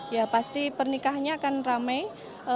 ya pasti pernikahannya akan ramai